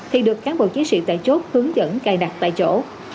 thì được cán bộ chiến sĩ tại chốt hướng dẫn cài đặt tại chỗ